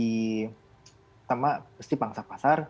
pertama pasti pangsa pasar